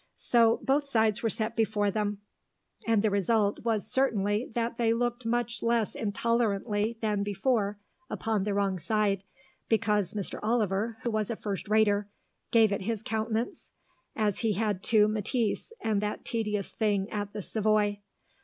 So both sides were set before them; and the result was certainly that they looked much less intolerantly than before upon the wrong side, because Mr. Oliver, who was a first rater, gave it his countenance, as he had to Matisse and that tedious thing at the Savoy.